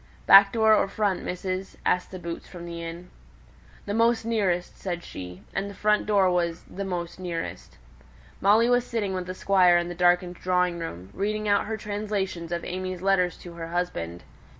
"Back door or front, missus?" asked the boots from the inn. "The most nearest," said she. And the front door was "the most nearest." Molly was sitting with the Squire in the darkened drawing room, reading out her translations of AimÄe's letters to her husband.